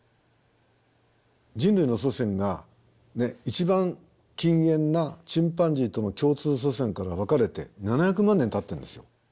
人類の祖先が一番近縁なチンパンジーとの共通祖先から分かれて７００万年たってるんですよ。